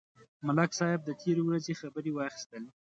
ملک صاحب د تېرې ورځې خبرې واخیستلې.